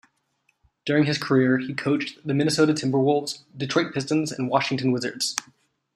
During his career, he coached the Minnesota Timberwolves, Detroit Pistons, and Washington Wizards.